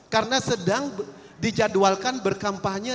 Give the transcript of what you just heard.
karena sedang dijadwalkan berkampanye